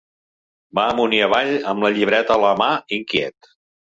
Va amunt i avall amb la llibreta a la mà, inquiet.